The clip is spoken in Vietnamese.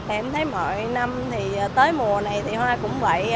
em thấy mỗi năm tới mùa này thì hoa cũng vậy